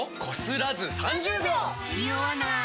ニオわない！